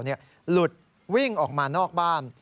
หลุดวิ่งออกมานอกบ้าน